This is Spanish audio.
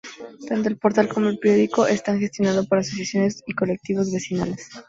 Tanto el portal como el periódico están gestionados por asociaciones y colectivos vecinales.